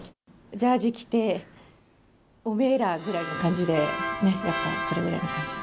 ジャージ着て、おめぇら！ぐらいの感じで、やっぱり、それをやる感じで。